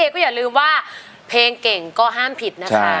ตัวช่วยละครับเหลือใช้ได้อีกสองแผ่นป้ายในเพลงนี้จะหยุดทำไมสู้อยู่แล้วนะครับ